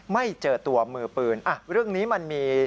ไม่เจอตัวมือปืนเรื่องนี้มันมี